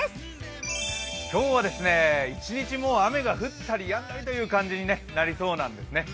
今日は一日雨が降ったりやんだりという感じになりそうなてんですね。